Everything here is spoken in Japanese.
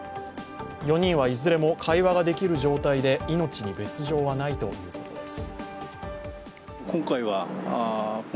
４人はいずれも会話ができる状態で命に別状はないということです。